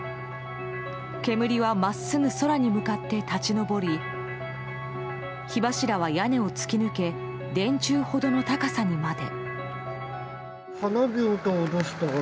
煙は、真っすぐ空に向かって立ち上り火柱は屋根を突き抜け電柱ほどの高さにまで。